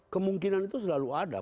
kemungkinan itu selalu ada